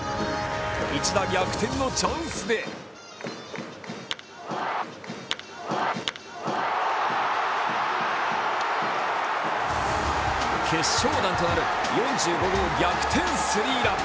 一打逆転のチャンスで決勝弾となる４５号逆転スリーラン。